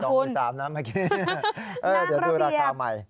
หรือสามนะเมื่อกี้เดี๋ยวดูราคาใหม่